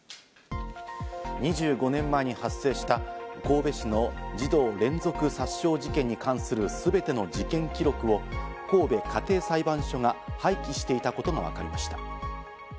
２５年前に発生した神戸市の児童連続殺傷事件に関するすべての事件記録を神戸家庭裁判所が廃棄していたことがわかりました。